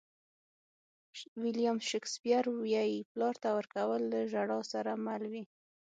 ویلیام شکسپیر وایي پلار ته ورکول له ژړا سره مل وي.